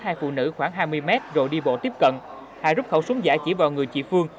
hai phụ nữ khoảng hai mươi mét rồi đi bộ tiếp cận hải rút khẩu súng giả chỉ vào người chị phương